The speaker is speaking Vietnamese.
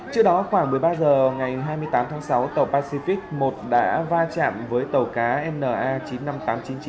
trước đó khoảng một mươi ba h ngày hai mươi tám tháng sáu tàu pacific một đã va chạm với tàu cá na chín mươi năm nghìn tám trăm chín mươi chín